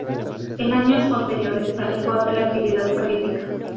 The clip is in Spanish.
En años posteriores se alejó de la actividad política.